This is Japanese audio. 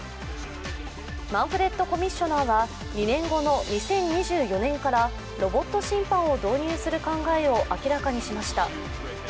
マンフレッドコミッショナーは２年後の２０２４年からロボット審判を導入する考えを明らかにしました。